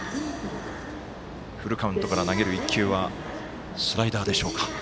フルカウントから投げる１球はスライダーでしょうか。